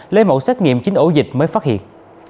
lấy mẫu xét nghiệm chín ổ dịch mới phát hiện